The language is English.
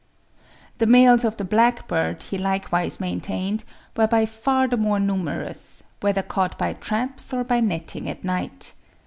The males of the blackbird, he likewise maintained, were by far the more numerous, whether caught by traps or by netting at night.